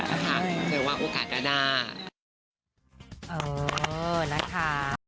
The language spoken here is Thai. เออนะคะ